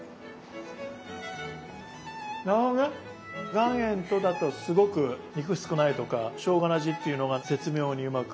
岩塩とだとすごく肉少ないとかしょうがの味っていうのが絶妙にうまく。